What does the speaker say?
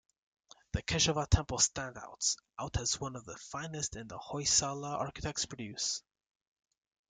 The Keshava temple standouts out as one of the finest the Hoysala architects produced.